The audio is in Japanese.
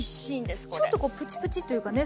ちょっとプチプチっていうかね